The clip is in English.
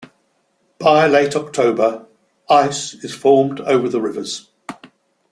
By late October ice is formed over the rivers.